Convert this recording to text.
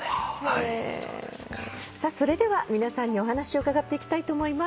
それでは皆さんにお話をうかがっていきたいと思います。